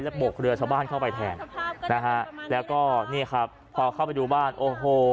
โบกเรือชาวบ้านเข้าไปแทนนะฮะแล้วก็นี่ครับพอเข้าไปดูบ้านโอ้โห